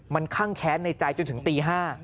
มันคั่งแค้นในใจจนถึงตี๕